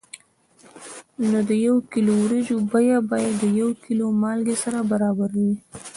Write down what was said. نو د یو کیلو وریجو بیه باید د یو کیلو مالګې سره برابره وي.